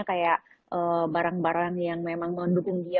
kayak barang barang yang memang mendukung dia